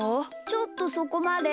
ちょっとそこまで。